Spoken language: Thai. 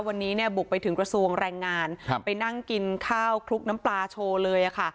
วันนี้เนี่ยบุกไปถึงกระทรวงแรงงานไปนั่งกินข้าวคลุกน้ำปลาโชว์เลยค่ะ